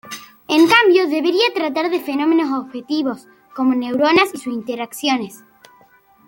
En cambio, debería tratar de fenómenos objetivos como neuronas y sus interacciones.